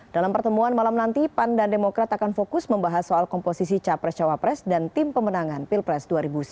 dalam pertemuan malam nanti pan dan demokrat akan fokus membahas soal komposisi capres cawapres dan tim pemenangan pilpres dua ribu sembilan belas